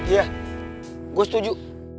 iya gue setuju